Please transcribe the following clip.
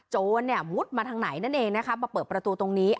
จอวนมุดมาทางไหนนั่นเองมาเปิดประตูตรงนี้